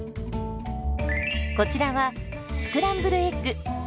こちらはスクランブルエッグ。